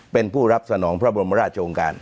เป็นผู้รับสนองพระบรมราชองค์การ